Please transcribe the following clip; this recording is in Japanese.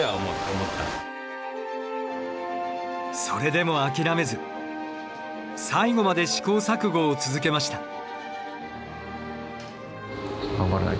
それでも諦めず最後まで試行錯誤を続けました。